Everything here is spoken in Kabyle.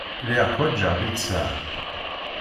Lliɣ ḥwaǧeɣ littseɛ.